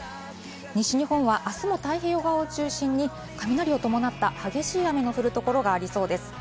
西日本は明日も太平洋側を中心に雷を伴った激しい雨の降る所がありそうです。